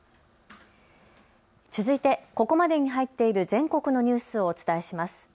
続いてここまでに入っている全国のニュースをお伝えします。